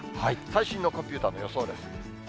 最新のコンピューターの予想です。